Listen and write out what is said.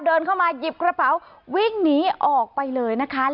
เดินเข้ามาหยิบกระเป๋าวิ่งหนีออกไปเลยนะคะ